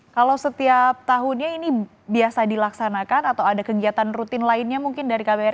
kalau setiap tahunnya ini biasa dilaksanakan atau ada kegiatan rutin lainnya mungkin dari kbri